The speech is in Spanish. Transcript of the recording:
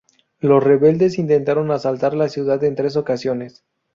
Los rebeldes intentaron asaltar la ciudad en tres ocasiones.